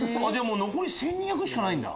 残り１２００しかないんだ。